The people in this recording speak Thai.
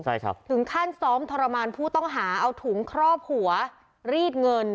ใช่ครับถึงขั้นซ้อมทรมานผู้ต้องหาเอาถุงครอบหัวรีดเงิน